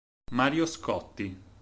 Mario Scotti